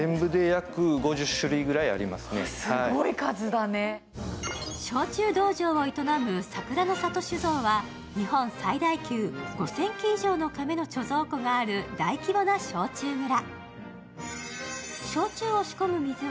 焼酎道場を営む、櫻の郷酒造は日本最大級５０００基以上のかめの貯蔵庫がある大規模な焼酎蔵。